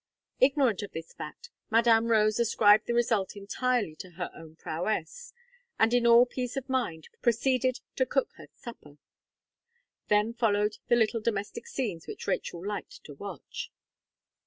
Ignorant of this fact, Madame Rose ascribed the result entirely to her own prowess, and in all peace of mind proceeded to cook her supper. Then followed the little domestic scenes which Rachel liked to watch.